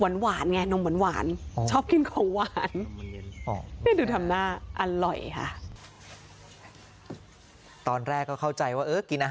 นี่นมเหมือนหวานชอบกินของหวาน